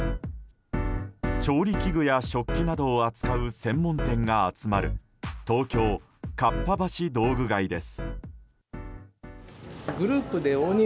調理器具や食器などを扱う専門店が集まる東京・かっぱ橋道具街です。